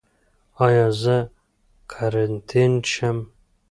ایا زه قرنطین شم؟